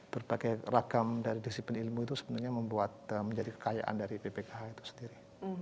berbagai ragam dari disiplin ilmu itu sebenarnya membuat menjadi kekayaan dari bpkh itu sendiri